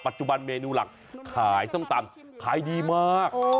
จุบันเมนูหลักขายส้มตำขายดีมาก